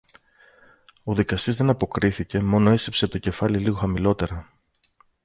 Ο δικαστής δεν αποκρίθηκε, μόνο έσκυψε το κεφάλι λίγο χαμηλότερα.